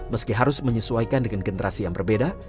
meski harus menyesuaikan dengan generasi yang berbeda